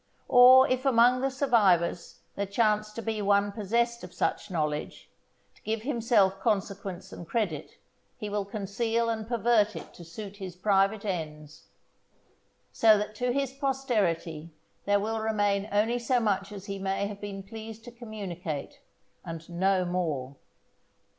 Or if among the survivors there chance to be one possessed of such knowledge, to give himself consequence and credit, he will conceal and pervert it to suit his private ends, so that to his posterity there will remain only so much as he may have been pleased to communicate, and no more.